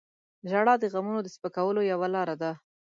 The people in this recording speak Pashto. • ژړا د غمونو د سپکولو یوه لاره ده.